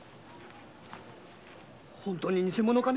本当に偽物かね？